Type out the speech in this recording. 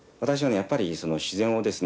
やっぱり自然をですね